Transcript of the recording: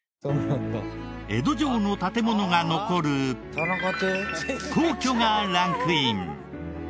江戸城の建ものが残る皇居がランクイン。